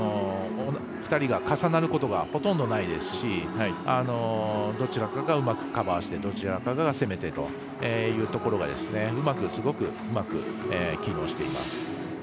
２人が重なることがほとんどないですしどちらかが、うまくカバーしてどちらかが攻めてというところがすごくうまく機能しています。